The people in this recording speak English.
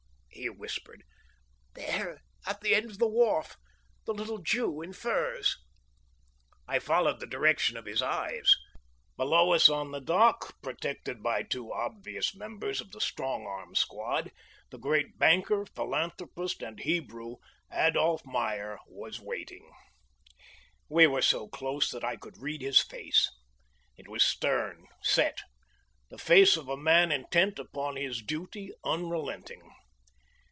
he whispered. "There, at the end of the wharf the little Jew in furs!" I followed the direction of his eyes. Below us on the dock, protected by two obvious members of the strong arm squad, the great banker, philanthropist, and Hebrew, Adolph Meyer, was waiting. We were so close that I could read his face. It was stern, set; the face of a man intent upon his duty, unrelenting.